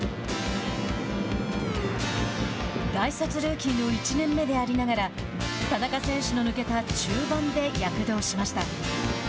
大卒ルーキーの１年目でありながら田中選手の抜けた中盤で躍動しました。